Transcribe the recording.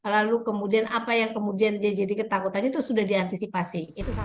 lalu kemudian apa yang kemudian dia jadi ketakutan itu sudah diantisipasi